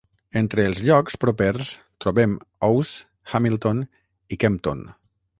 Entre els llocs propers trobem Ouse, Hamilton i Kempton.